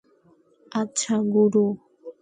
আচ্ছা, গুরু!